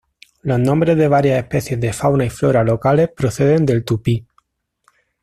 Los nombres de varias especies de fauna y flora locales proceden del tupí.